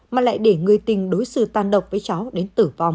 mà lại để người tình đối xử tan độc với cháu đến tử vong